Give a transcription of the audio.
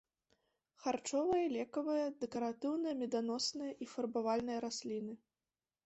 Харчовыя, лекавыя, дэкаратыўныя, меданосныя і фарбавальныя расліны.